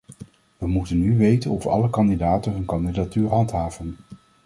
Wij moeten nu weten of alle kandidaten hun kandidatuur handhaven.